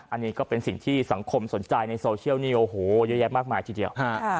อันนี้ก็เป็นสิ่งที่สังคมสนใจในโซเชียลนี่โอ้โหเยอะแยะมากมายทีเดียว